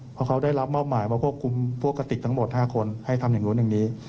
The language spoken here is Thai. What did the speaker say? เพราะเขาได้รับมอบหมายมาควบคุมพวกกระติกทั้งหมด๕คนให้ทำอย่างนู้นอย่างนี้